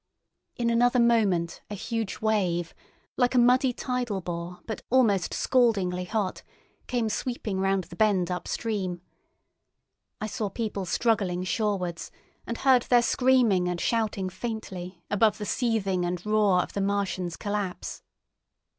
In another moment a huge wave, like a muddy tidal bore but almost scaldingly hot, came sweeping round the bend upstream. I saw people struggling shorewards, and heard their screaming and shouting faintly above the seething and roar of the Martian's collapse.